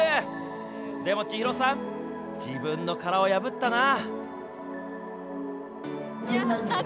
でも千尋さん、自分の殻を破ったな。